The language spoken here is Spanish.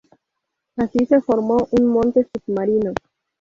Así, se formó un monte submarino.